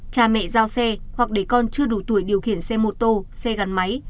cha mẹ giao xe hoặc để con chưa đủ tuổi điều khiển xe mô tô xe gắn máy